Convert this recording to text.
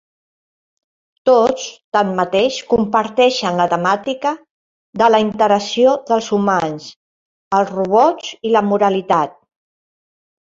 Tots, tanmateix, comparteixen la temàtica de la interacció dels humans, els robots i la moralitat.